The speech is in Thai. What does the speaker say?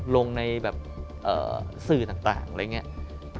ลงในแบบสื่อต่างอะไรอย่างนี้